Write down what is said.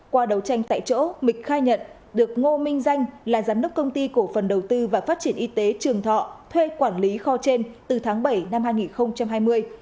qua đầu tranh tại chỗ mịch khai nhận được ngô minh danh là giám đốc công ty cổ phần đầu tư và phát triển y tế trường thọ thuê quản lý kho trên từ tháng bảy năm hai nghìn hai mươi